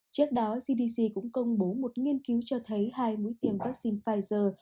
trước đó cdc cũng công bố một nghiên cứu cho thấy hai mũi tiêm vaccine pfizer